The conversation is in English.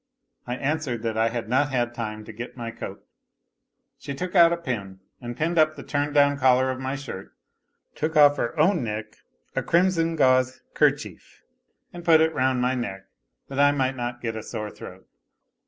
I answered that I had not had time to get my coat. She took out a pin and pinned up the turned down collar of my shirt, took off her own neck a crimson gauze kerchief, and put it round my neck that I might not get a sore throat.